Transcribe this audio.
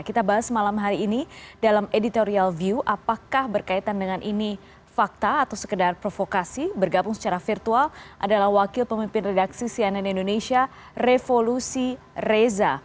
kita bahas malam hari ini dalam editorial view apakah berkaitan dengan ini fakta atau sekedar provokasi bergabung secara virtual adalah wakil pemimpin redaksi cnn indonesia revolusi reza